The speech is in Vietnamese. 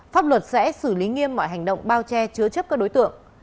pháp luật sẽ xử lý nghiêm mọi hành động bao che chứa chấp các đối tượng